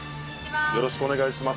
よろしくお願いします。